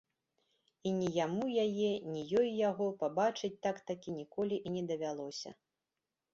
І ні яму яе, ні ёй яго пабачыць так-такі ніколі і не давялося.